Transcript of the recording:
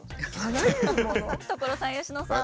所さん佳乃さん。